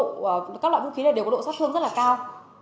các loại vũ khí này đều có độ sát thương rất là cao